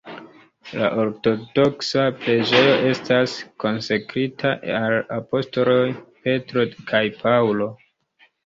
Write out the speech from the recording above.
La ortodoksa preĝejo estas konsekrita al la apostoloj Petro kaj Paŭlo.